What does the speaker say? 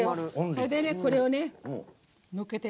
それでね、これをのっけて。